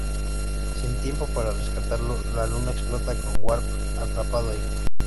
Sin tiempo para rescatarlo, la luna explota con Warp atrapado ahí.